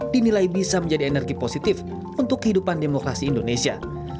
dinilai bisa menjadi energi positif untuk kehidupan demokrasi indonesia